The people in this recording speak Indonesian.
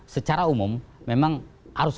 secara umum memang harus